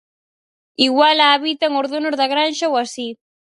Igual a habitan os donos da granxa ou así.